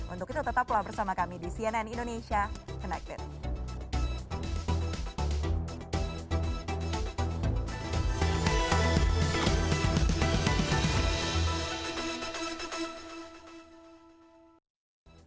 untuk itu tetaplah bersama kami di cnn indonesia connected